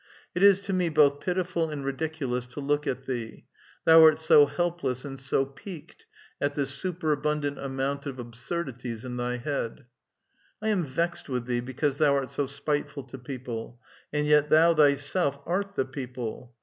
It is to me both pitiful and ridiculous to look at thee ; thou art so helpless and so piqued at the superabundant amount of absurdities in thy head. I am vext with thee because thou art so spiteful to people, and yet thou thyself art the people.